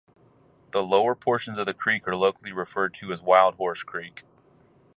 The lower portions of the creek are locally referred to as Wildhorse Creek.